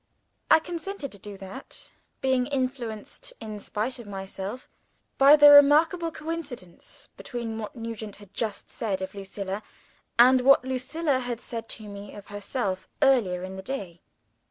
I consented to that; being influenced, in spite of myself, by the remarkable coincidence between what Nugent had just said of Lucilla, and what Lucilla had said to me of herself earlier in the day.